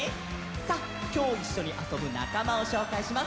さあきょういっしょにあそぶなかまをしょうかいします。